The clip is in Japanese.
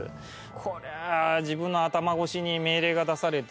これは自分の頭越しに命令が出されてる。